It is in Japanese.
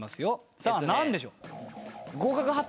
さあ何でしょう？